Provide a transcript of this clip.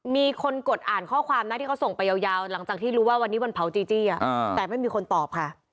มีคนกดอ่านข้อความนะที่เขาส่งไปยาวหลังจากที่รู้ว่าวันนี้วันเผาจีจี้แต่ไม่มีคนตอบค่ะ